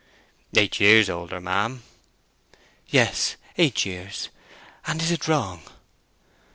"Eight years older, ma'am." "Yes, eight years—and is it wrong?"